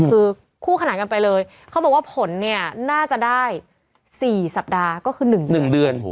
คือคู่ขนานกันไปเลยเขาบอกว่าผลเนี่ยน่าจะได้๔สัปดาห์ก็คือ๑เดือน